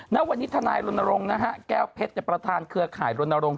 ณวันนี้ทนายรณรงค์นะฮะแก้วเพชรประธานเครือข่ายรณรงค